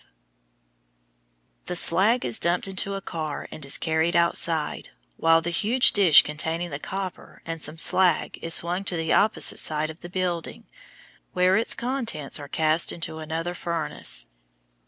[Illustration: FIG. 107. SHIPPING COPPER MATTE] The slag is dumped into a car and is carried outside, while the huge dish containing the copper and some slag is swung to the opposite side of the building, where its contents are cast into another furnace.